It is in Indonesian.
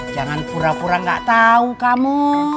jangan pura pura gak tahu kamu